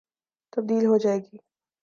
تبدیل ہو جائے گی۔